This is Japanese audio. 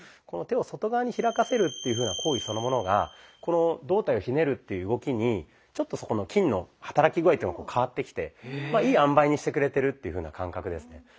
この手を外側に開かせるっていうふうな行為そのものがこの胴体をひねるっていう動きにちょっとそこの筋の働き具合というのが変わってきてまあいいあんばいにしてくれてるっていうふうな感覚ですね。